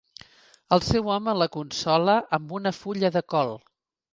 El seu home la consola amb una fulla de col.